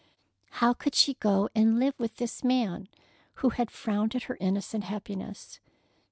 How could she go and live with this man who had frowned at her innocent happiness?